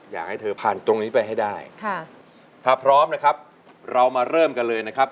อยากให้เธอผ่านตรงนี้ไปให้ได้ค่ะถ้าพร้อมนะครับเรามาเริ่มกันเลยนะครับ